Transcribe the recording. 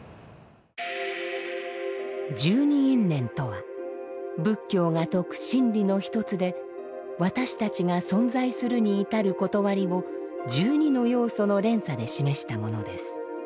「十二因縁」とは仏教が説く真理の一つで私たちが存在するに至ることわりを十二の要素の連鎖で示したものです。